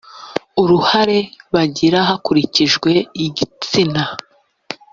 uruhare bagira hakurikijwe igitsina